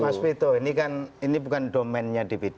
mas beto ini kan ini bukan domennya dvd